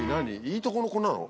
いいとこの子なの？